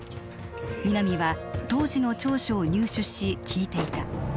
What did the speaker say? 皆実は当時の調書を入手し聞いていた